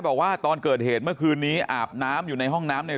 บอกว่าตอนเกิดเหตุเมื่อคืนนี้อาบน้ำอยู่ในห้องน้ำใน